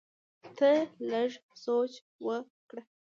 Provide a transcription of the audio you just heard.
ته لږ سوچ وکړه!